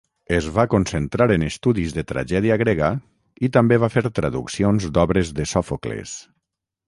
Es va concentrar en estudis de tragèdia grega i també va fer traduccions d'obres de Sòfocles.